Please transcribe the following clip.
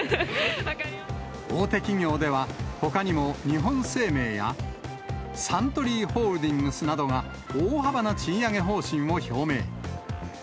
大手企業ではほかにも日本生命やサントリーホールディングスなどが、大幅な賃上げ方針を表明。